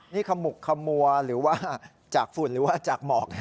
นี่ขมุกขมัวหรือว่าจากฝุ่นหรือว่าจากหมอก